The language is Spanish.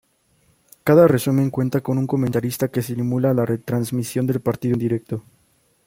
Cada resumen cuenta con un comentarista que simula la retransmisión del partido en directo.